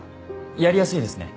やりやすいですね